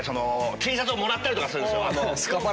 Ｔシャツをもらったりとかするんすよ。